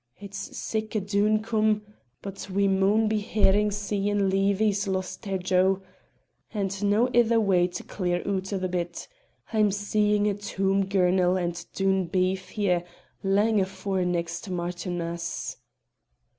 It's sic a doon come, but we maun be hainin' seein' Leevie's lost her jo, and no ither way clear oot o' the bit. I'm seein' a toom girnel and done beef here lang afore next Martinmas."